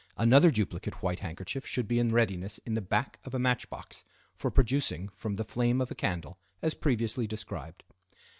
Another duplicate white handkerchief should be in readiness in the back of a match box for producing from the flame of a candle, as previously described.